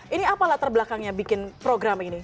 ini apa latar belakangnya bikin program ini